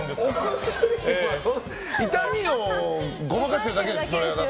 痛みをごまかしてるだけですよね。